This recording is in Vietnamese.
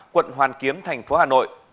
quận hoàn kiếm tp hà nội